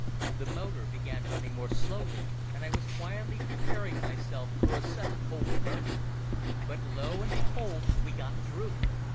The motor began running more slowly and I was quietly preparing myself for a sudden cold immersion. But lo! and behold! we got through!